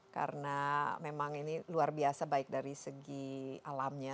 karena memang ini luar biasa baik dari segi alamnya